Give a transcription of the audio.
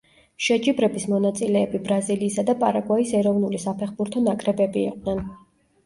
შეჯიბრების მონაწილეები ბრაზილიისა და პარაგვაის ეროვნული საფეხბურთო ნაკრებები იყვნენ.